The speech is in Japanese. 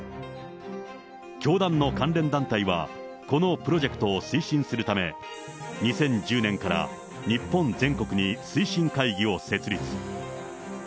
教団の関連団体は、このプロジェクトを推進するため、２０１０年から日本全国に推進会議を設立。